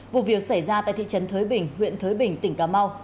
vụ việc xảy ra tại thị trấn thới bình huyện thới bình tỉnh cà mau